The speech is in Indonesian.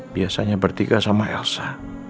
biasanya bertiga sama elsa